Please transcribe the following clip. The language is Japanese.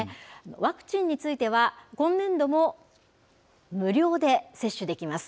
ワクチンについては、今年度も無料で接種できます。